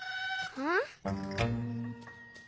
うん？